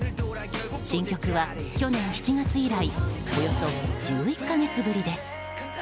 新曲は去年７月以来およそ１１か月ぶりです。